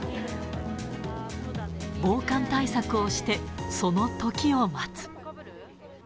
防寒対策をして、そのときを待つ。